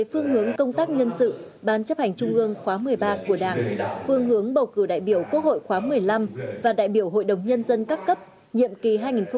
phương hướng công tác nhân sự ban chấp hành trung ương khóa một mươi ba của đảng phương hướng bầu cử đại biểu quốc hội khóa một mươi năm và đại biểu hội đồng nhân dân các cấp nhiệm kỳ hai nghìn hai mươi một hai nghìn hai mươi sáu